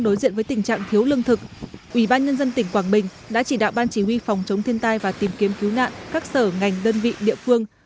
đối diện với tình trạng thiếu lương thực ubnd tỉnh quảng bình đã chỉ đạo ban chỉ huy phòng chống thiên tai và tìm kiếm cứu nạn các sở ngành đơn vị địa phương